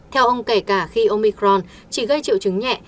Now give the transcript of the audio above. theo ông kể cả khi omicron chỉ gây triệu chứng nhẹ